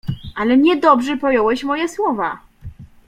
Ale niedobrze pojąłeś moje słowa.